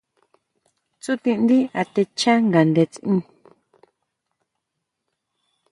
Tsutindí atecha ngandetsin.